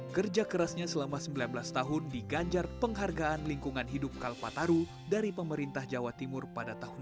kerja kerasnya selama sembilan belas tahun diganjar penghargaan lingkungan hidup kalpataru dari pemerintah jawa timur pada tahun dua ribu dua